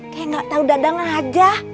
kayak nggak tahu dadang aja